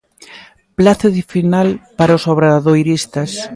Plácido final para os obradoiristas.